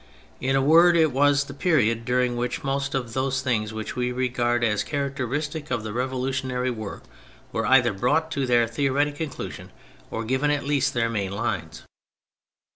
In a word, it was the period during which most of those things which we regard as characteristic of the revolutionary work were either brought to their theoretic conclusion or given at least their main lines.